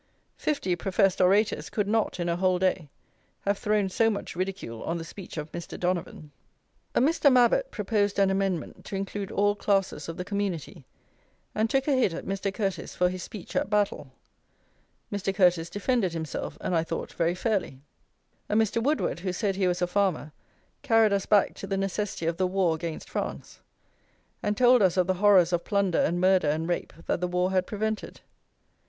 Fifty professed orators could not, in a whole day, have thrown so much ridicule on the speech of Mr. Donavon. A Mr. Mabbott proposed an amendment to include all classes of the community, and took a hit at Mr. Curteis for his speech at Battle. Mr. Curteis defended himself, and I thought very fairly. A Mr. Woodward, who said he was a farmer, carried us back to the necessity of the war against France; and told us of the horrors of plunder and murder and rape that the war had prevented.